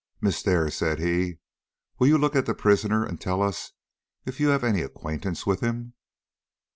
"Miss Dare," said he, "will you look at the prisoner and tell us if you have any acquaintance with him?"